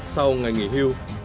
sau ngày nghỉ hưu